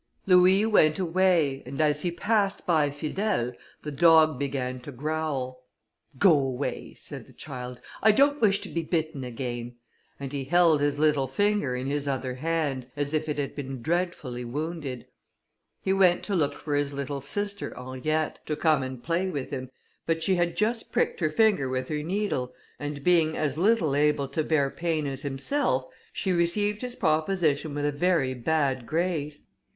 Louis went away, and as he passed by Fidèle, the dog began to growl. "Go away," said the child, "I don't wish to be bitten again," and he held his little finger in his other hand, as if it had been dreadfully wounded. He went to look for his little sister Henriette, to come and play with him, but she had just pricked her finger with her needle, and being as little able to bear pain as himself, she received his proposition with a very bad grace.